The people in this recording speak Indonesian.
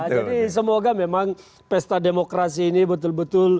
jadi semoga memang pesta demokrasi ini betul betul rame